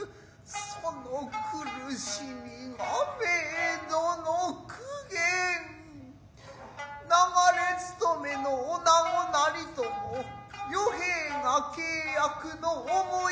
その苦しみが冥途の苦患流れ勤めの女子なりとも与兵衛が契約の思い